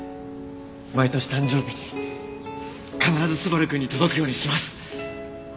毎年誕生日に必ず昴くんに届くようにします！